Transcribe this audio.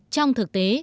trong thực tế